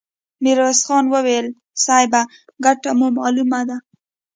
ميرويس خان وويل: صيب! ګټه مو مالومه ده!